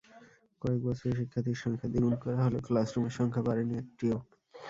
কয়েক বছরে শিক্ষার্থীর সংখ্যা দ্বিগুণ করা হলেও ক্লাসরুমের সংখ্যা বাড়েনি একটিও।